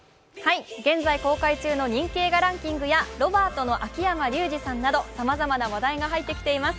現在公開中の人気映画ランキングやロバートの秋山竜次さんなどさまざまな話題が入ってきています。